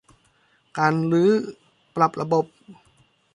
การรื้อปรับระบบ